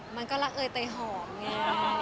มันก็รักเอยเตยหอมแง